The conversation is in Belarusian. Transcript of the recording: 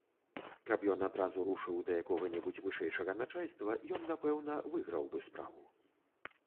Каб ён адразу рушыў да якога небудзь вышэйшага начальства, ён напэўна выграў бы справу.